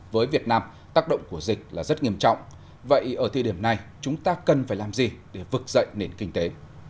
với việt nam tác động của dịch là rất nghiêm trọng vậy ở thời điểm này chúng ta cần phải làm gì để vực dậy nền kinh tế